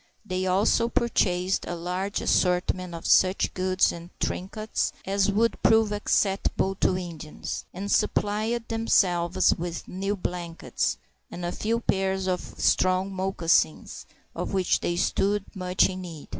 They also purchased a large assortment of such goods and trinkets as would prove acceptable to Indians, and supplied themselves with new blankets, and a few pairs of strong moccasins, of which they stood much in need.